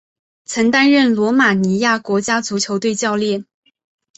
曾担任罗马尼亚国家足球队主教练。